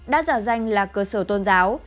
đã giả danh là cơ sở tôn giáo